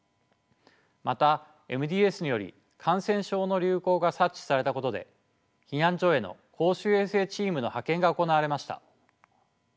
またＭＤＳにより感染症の流行が察知されたことで避難所への公衆衛生チームの派遣が行われました。